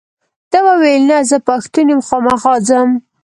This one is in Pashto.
ده وویل نه زه پښتون یم خامخا ځم.